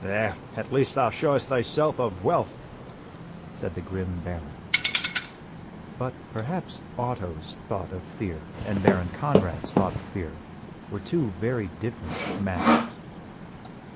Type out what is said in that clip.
"There at least thou showest thyself a Vuelph," said the grim Baron. But perhaps Otto's thought of fear and Baron Conrad's thought of fear were two very different matters.